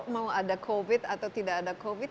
mau ada covid atau tidak ada covid